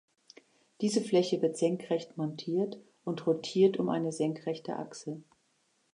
Diese Fläche wird senkrecht montiert und rotiert um eine senkrechte Achse.